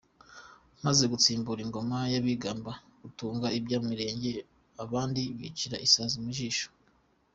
Muze dutsimbure ingoma y’abigamba gutunga ibya mirenge abandi bicira isazi mi jisho.